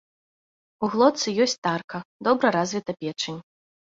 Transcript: У глотцы ёсць тарка, добра развіта печань.